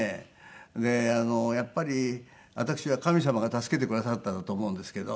でやっぱり私は神様が助けてくださったんだと思うんですけど。